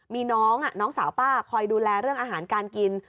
มีน้องน้องสาวป้าคอยดูแลเรื่องอาหารการกิน